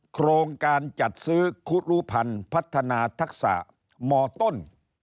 โครงการจัดซื้อคุรุพันธ์พัฒนาทักษะมต้น